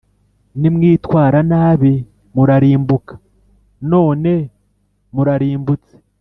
nimwitwara nabi murarimbuka, none murarimbutse